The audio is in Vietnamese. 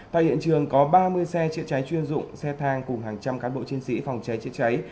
tại hiện trường có ba mươi xe chữa cháy chuyên dụng xe thang cùng hàng trăm cán bộ chiến sĩ phòng cháy chữa cháy